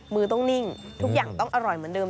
มือต้องนิ่งทุกอย่างต้องอร่อยเหมือนเดิม